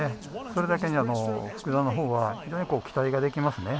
それだけに福田の方は非常に期待ができますね。